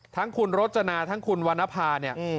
ทั้งคุณรจนาทั้งคุณวรรณภา